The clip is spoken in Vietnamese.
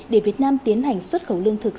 để việt nam tiến hành xuất khẩu lương thực